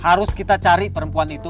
harus kita cari perempuan itu